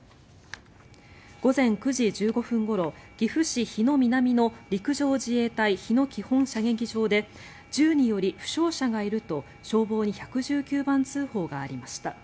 午前９時１５分ごろ岐阜市日野南の陸上自衛隊日野基本射撃場で銃により負傷者がいると、消防に１１９番通報がありました。